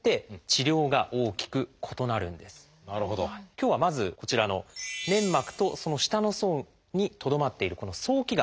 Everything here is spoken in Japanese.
今日はまずこちらの粘膜とその下の層にとどまっているこの早期がん。